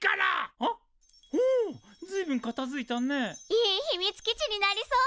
いい秘密基地になりそう！